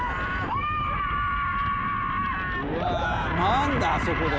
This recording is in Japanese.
うわ回るんだあそこで。